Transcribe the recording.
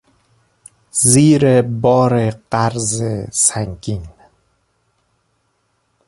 زیر بار قرض سنگین